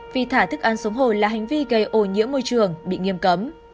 vì thả thức ăn xuống hồ là hành vi gây ô nhiễm môi trường bị nghiêm cấm